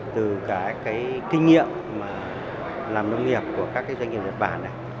từ cái kinh nghiệm mà làm nông nghiệp của các doanh nghiệp nhật bản này